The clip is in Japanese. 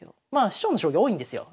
師匠の将棋多いんですよ。